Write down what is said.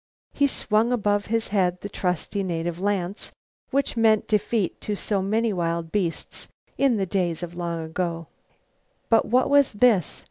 He swung above his head the trusty native lance which had meant defeat to so many wild beasts in the days of long ago. But what was this?